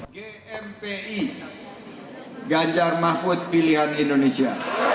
gmpi ganjar mahfud pilihan indonesia